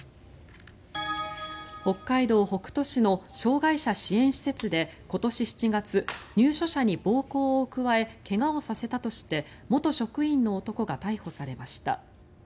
北海道北斗市の障害者支援施設で今年７月入所者に暴行を加え怪我をさせたとして元職員の男が逮捕されました。